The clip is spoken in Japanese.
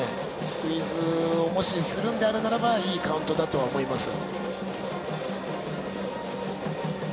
スクイズをもしするならいいカウントだと思います。